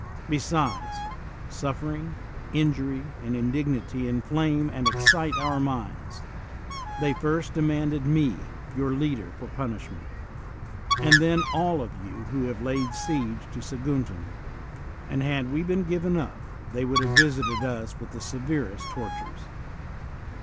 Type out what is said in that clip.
Besides, suffering, injury, and indignity inflame and ex cite our minds: they first demanded me, your leader, for punishment, and then all of you who had laid siege to Saguntum; and had we been given up they would have visited us with the severest tortures.